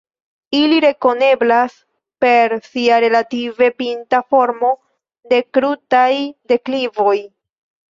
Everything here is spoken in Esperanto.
Ili rekoneblas per sia relative pinta formo de krutaj deklivoj.